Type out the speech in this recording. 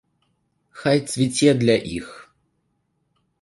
Хай цвіце для іх.